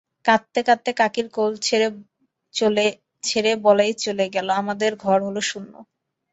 কাঁদতে কাঁদতে কাকির কোল ছেড়ে বলাই চলে গেল, আমাদের ঘর হল শূন্য।